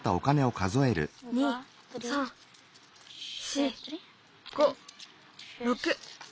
２３４５６。